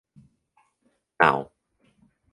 Nall.